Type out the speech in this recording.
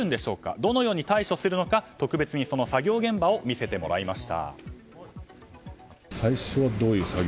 どのように対処するのか特別にその作業現場を見せてもらいました。